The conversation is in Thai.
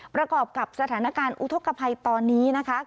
ประกอบกับสถานการณ์อุทธกภัยตอนนี้นะคะ